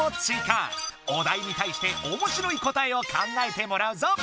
お題に対しておもしろい答えを考えてもらうぞ！